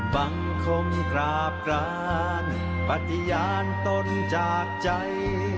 บังคมกราบกรานปฏิญาณตนจากใจ